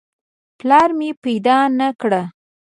پلار مې پیدا نه کړ.